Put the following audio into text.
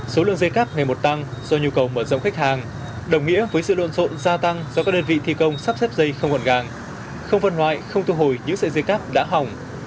số lượng dây cắp ngày một tăng do nhu cầu mở rộng khách hàng đồng nghĩa với sự lộn rộn gia tăng do các đơn vị thi công sắp xếp dây không còn gàng không vân hoại không thu hồi những dây cắp đã hỏng